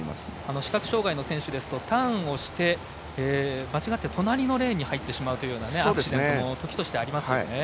視覚障がいの選手ですとターンをして間違って隣のレーンに入ってしまうというアクシデントも時としてありますよね。